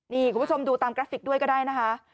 นี่คุณผู้ชมดูตามกราฟิกด้วยก็ได้นะคะ